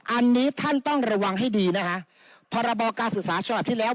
อันนี้ท่านต้องระวังให้ดีนะคะพรบการศึกษาฉบับที่แล้ว